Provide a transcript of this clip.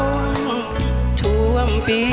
ทุวทุนนำทุนสงสังคมเดียวเวรซาบาปนำโอเวรสังคระนำกลับอีทธน